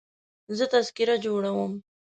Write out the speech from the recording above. زه تذکره جوړوم.